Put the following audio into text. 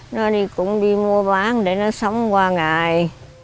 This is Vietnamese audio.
nó đi cũng đi mua bán để nó sống qua ngày